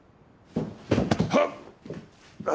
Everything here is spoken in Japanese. はっ！